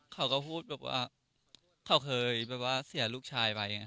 เขาก็พูดความครับว่าเขาเคยเสียลูกชายไป